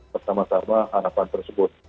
bersama sama harapan tersebut